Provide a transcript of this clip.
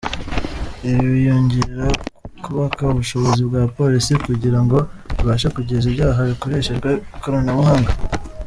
Ibi byiyongera ku kubaka ubushobozi bwa polisi kugira ngo ibashe kugenza ibyaha bikoreshejwe ikoranabuhanga.